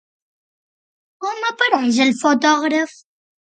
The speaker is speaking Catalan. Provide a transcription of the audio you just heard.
Com apareix el fotògraf?